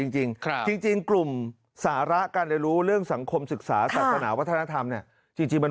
จริงจริงกลุ่มสาระการเรียนรู้เรื่องสังคมศึกษาศาสนาวัฒนธรรมเนี่ยจริงมัน